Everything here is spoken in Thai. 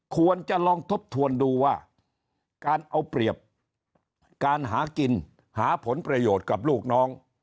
ควรจะลองทบทวนดูว่าการเอาเปรียบการหากินหาผลประโยชน์กับลูกน้อง